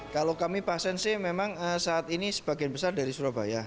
kalau kami pasien c memang saat ini sebagian besar dari surabaya